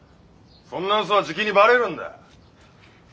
そんなうそはじきにばれるんだ。